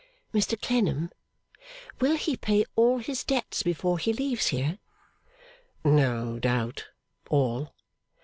'Mr Clennam, will he pay all his debts before he leaves here?' 'No doubt. All.